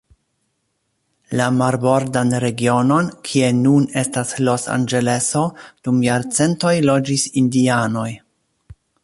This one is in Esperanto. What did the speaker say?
La marbordan regionon, kie nun estas Los Anĝeleso, dum jarcentoj loĝis indianoj.